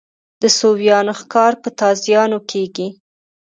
د سویانو ښکار په تازیانو کېږي.